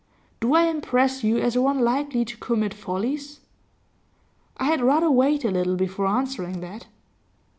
'Do I impress you as one likely to commit follies?' 'I had rather wait a little before answering that.